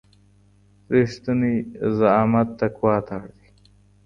رښتينی زعامت تقوی ته اړ دی.